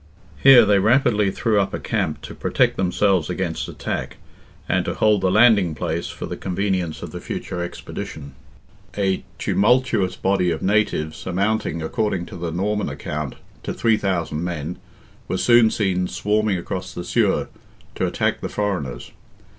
Here they rapidly threw up a camp to protect themselves against attack, and to hold the landing place for the convenience of the future expedition. A tumultuous body of natives, amounting, according to the Norman account, to 3,000 men, were soon seen swarming across the Suir to attack the foreigners.